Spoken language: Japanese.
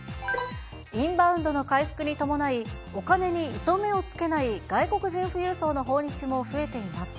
インバウンドの回復に伴い、お金に糸目をつけない外国人富裕層の訪日も増えています。